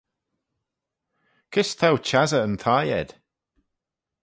Kys t'ou çhiassey yn thie ayd?